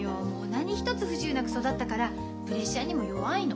何一つ不自由なく育ったからプレッシャーにも弱いの。